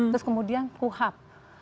terus kemudian kuhap